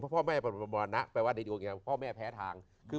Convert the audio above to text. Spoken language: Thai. เหมือนพ่อแม่หนูเริ่มเปิดโลกเริ่มอะไรมากขึ้น